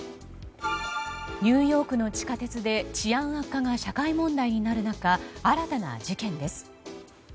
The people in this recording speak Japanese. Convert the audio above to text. ニューヨークの地下鉄で治安悪化が社会問題になる中新たな事件です。